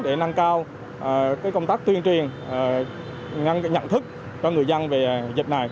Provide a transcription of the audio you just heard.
để nâng cao công tác tuyên truyền ngăn nhận thức cho người dân về dịch này